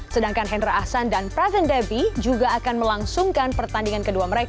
sedangkan hendra ahsan dan praven debbie juga akan melangsungkan pertandingan kedua mereka